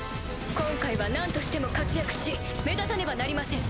今回は何としても活躍し目立たねばなりません。